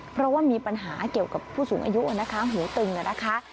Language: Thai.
เพราะว่ามีปัญหาเกี่ยวกับผู้สูงอายุนะคะหูตึงนะคะ